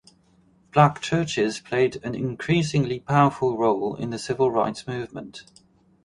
Black churches played an increasingly powerful role in the civil rights movement.